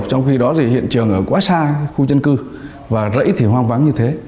trong khi đó thì hiện trường ở quá xa khu dân cư và rẫy thì hoang vắng như thế